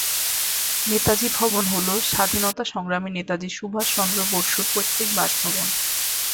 নেতাজি ভবন হল স্বাধীনতা সংগ্রামী নেতাজি সুভাষচন্দ্র বসুর পৈতৃক বাসভবন।